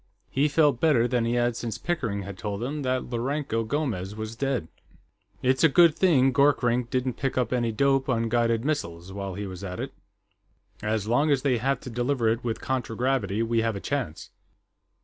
He felt better than he had since Pickering had told him that Lourenço Gomes was dead. "It's a good thing Gorkrink didn't pick up any dope on guided missiles, while he was at it. As long as they have to deliver it with contragravity, we have a chance."